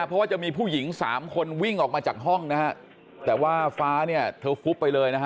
เพราะว่าจะมีผู้หญิงสามคนวิ่งออกมาจากห้องนะฮะแต่ว่าฟ้าเนี่ยเธอฟุบไปเลยนะฮะ